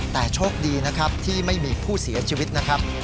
แต่โชคดีนะครับที่ไม่มีผู้เสียชีวิตนะครับ